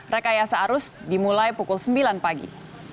rekayasa arus dimulai pukul sembilan pagi